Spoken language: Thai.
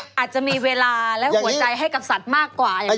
อาจจะมีเวลาและหัวใจให้กับสัตว์มากกว่าอย่างนี้